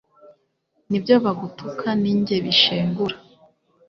n'ibyo bagutuka ni jye bishengura